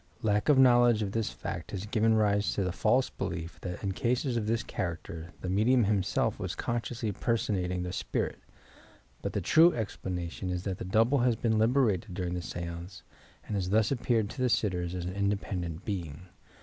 Lack of knowledge of thb fact has given rise to the false belief that in cases of this character the medium himself was consciously personating the spirit, but the true explanation is that the double has been liberated during the stance and has thus appeared to the sitters as an independent being.